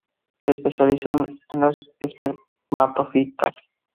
Se especializó en las espermatofitas.